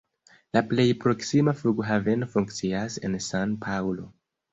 La plej proksima flughaveno funkcias en San-Paŭlo.